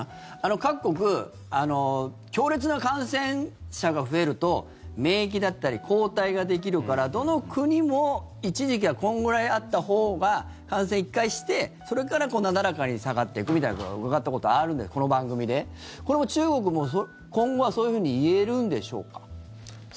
各国、強烈な感染者が増えると免疫だったり抗体ができるからどの国も一時期はこんぐらいあったほうが感染１回してそれから、なだらかに下がっていくみたいなこと伺ったことあるんですこの番組で。これも中国も今後はそういうふうに言えるんでしょうか？